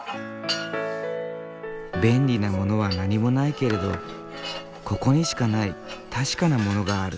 便利なものは何もないけれどここにしかない確かなものがある。